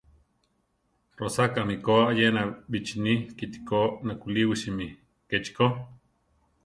Rosakámi ko ayena bichíni kiti ko nakúliwisimi; kechi ko.